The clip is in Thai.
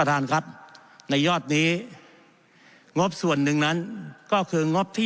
ท่านครับในยอดนี้งบส่วนหนึ่งนั้นก็คืองบที่